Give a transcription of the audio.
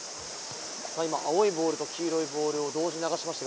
今、青いボールと黄色いボールを同時に流しました。